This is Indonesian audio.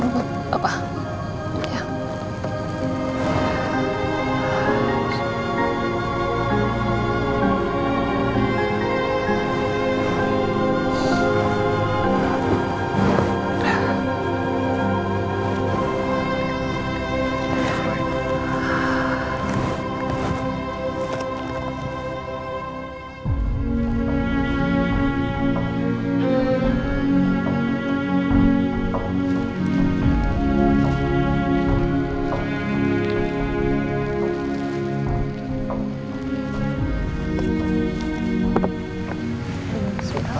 jangan ke routernya udah